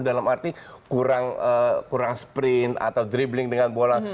dalam arti kurang sprint atau dribbling dengan bola